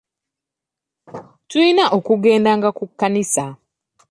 Tulina okugendanga ku kkanisa.